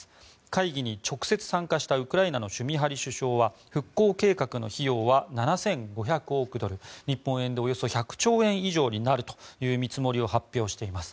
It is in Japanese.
会議に直接参加したウクライナのシュミハリ首相は復興計画の費用は７５００億ドル日本円でおよそ１００兆円以上になるという見積もりを発表しています。